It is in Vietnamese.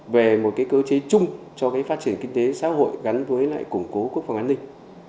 về một cơ chế chung cho phát triển kinh tế xã hội gắn với lại củng cố quốc phòng an ninh